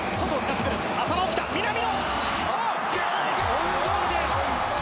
オウンゴールです！